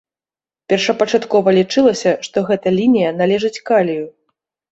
Першапачаткова лічылася, што гэта лінія належыць калію.